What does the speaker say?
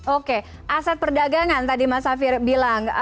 oke aset perdagangan tadi mas safir bilang